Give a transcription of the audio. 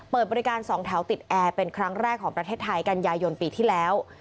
เปิดบริการสองแถวติดแอร์เป็นครั้งแรกของประเทศไทยกันยายนปีที่แล้ว